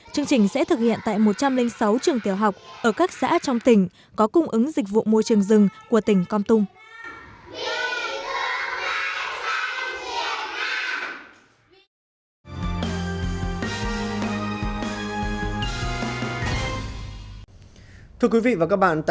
chương trình sẽ thực hiện tại một trăm linh sáu trường tiểu học ở các xã trong tỉnh có cung ứng dịch vụ môi trường rừng của tỉnh con tum